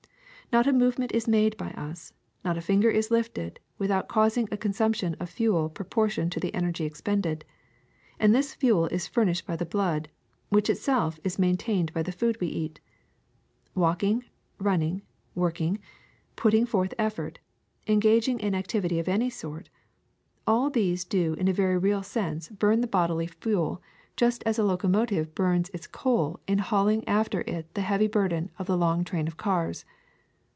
Not a movement is made by us, not a finger is lifted, without causing a consumption of fuel proportioned to the energy expended; and this fuel is furnished by the blood, which itself is main tained by the food we eat. Walking, running, work ing, putting forth effort, engaging in activity of any sort — all these do in a very real sense burn the bodily S02 THE SECRET OF EVERYDAY THINGS fuel just as a locomotive burns its coal in hauling after it the heavy burden of its long train of cars.